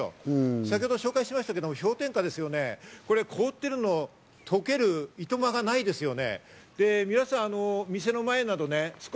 先程紹介しましたが、氷点下ですよね、凍っているのが溶けるいとまがないですよね。